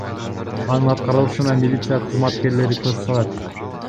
Анын аткарылышына милиция кызматкерлери көз салат.